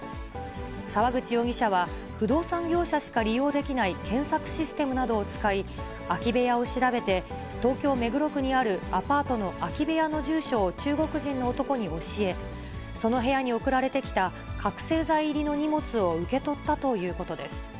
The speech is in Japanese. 沢口容疑者は不動産業者しか利用できない検索システムなどを使い、空き部屋を調べて、東京・目黒区にあるアパートの空き部屋の住所を中国人の男に教え、その部屋に送られてきた覚醒剤入りの荷物を受け取ったということです。